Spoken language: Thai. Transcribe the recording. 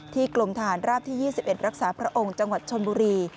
กลมทหารราบที่๒๑รักษาพระองค์จังหวัดชนบุรี